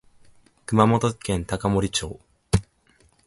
熊本県高森町